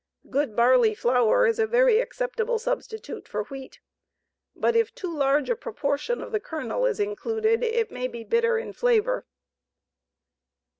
Good barley flour is a very acceptable substitute for wheat, but if too large a proportion of the kernel is included, it may be bitter in flavor.